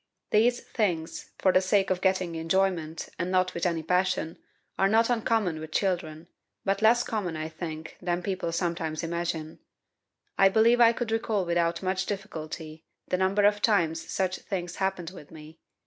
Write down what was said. These things, for the sake of getting enjoyment, and not with any passion, are not uncommon with children, but less common, I think, than people sometimes imagine. I believe I could recall without much difficulty, the number of times such things happened with me.